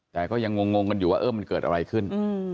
แต่ก็ยังงงกันอยู่ว่าเออมันเกิดอะไรขึ้น